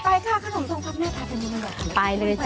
ไปค่ะขนมทรงครับน่าจะเป็นยังไง